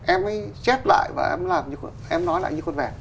em mới chép lại và em nói lại như con vẹn